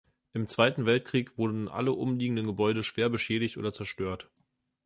Im Zweiten Weltkrieg wurden alle umliegenden Gebäude schwer beschädigt oder zerstört.